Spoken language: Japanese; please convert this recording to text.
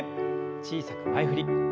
小さく前振り。